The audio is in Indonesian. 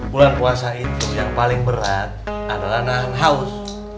bulan puasa itu yang paling berat adalah nah haus